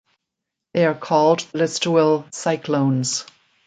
They are called the Listowel Cyclones.